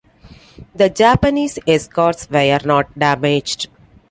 The Japanese escorts were not damaged.